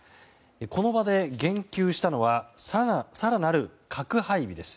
この場で言及したのは更なる核配備です。